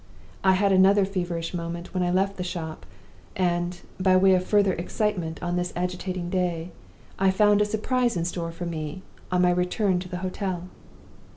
I had another feverish moment when I left the shop; and, by way of further excitement on this agitating day, I found a surprise in store for me on my return to the hotel.